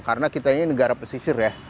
karena kita ini negara pesisir ya